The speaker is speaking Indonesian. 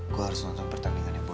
gue harus nonton pertandingannya